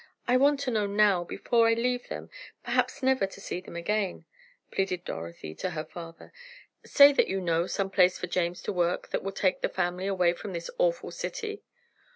I want to know now, before I leave them, perhaps never to see them again," pleaded Dorothy to her father. "Say that you know some place for James to work that will take the family away from this awful city."